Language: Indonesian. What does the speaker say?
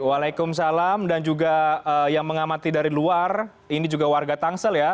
waalaikumsalam dan juga yang mengamati dari luar ini juga warga tangsel ya